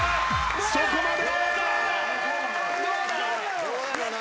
そこまで！